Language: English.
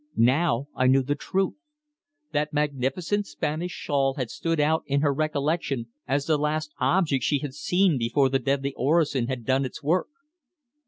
Now I knew the truth! That magnificent Spanish shawl had stood out in her recollection as the last object she had seen before the deadly orosin had done its work.